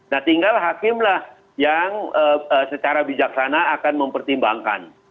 nah tinggal hakimlah yang secara bijaksana akan mempertimbangkan